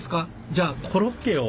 じゃあコロッケを。